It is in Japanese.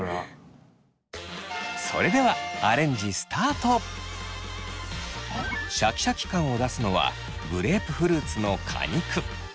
それではアレンジシャキシャキ感を出すのはグレープフルーツの果肉。